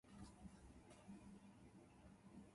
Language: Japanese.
生き様で後悔はしたくない。